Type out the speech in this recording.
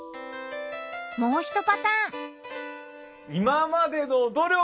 もうひとパターン！